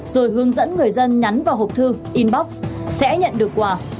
rồi hướng dẫn người dân nhắn vào hộp thư inbox sẽ nhận được quà